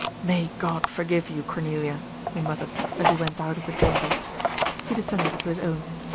"May God forgive you, Cornelia!" he muttered, as he went out of the chamber. He descended to his own.